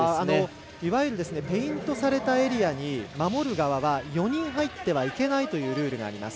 いわゆるペイントされたエリアに守る側は４人入ってはいけないというルールがあります。